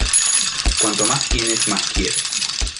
Cuanto más tienes más quieres.